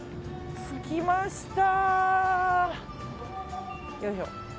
着きました。